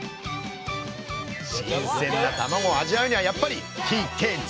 新鮮なたまごを味わうにはやっぱりＴＫＧ！